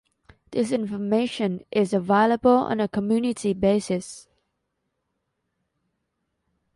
This information is available on a community basis.